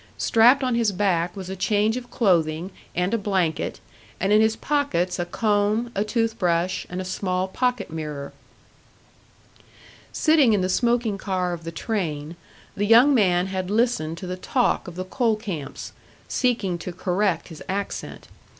Strapped on his back was a change of clothing and a blanket, and in his pockets a comb, a toothbrush, and a small pocket mirror. Sitting in the smoking car of the train, the young man had listened to the talk of the coal camps, seeking to correct his accent.